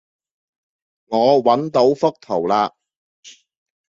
我搵到幅圖喇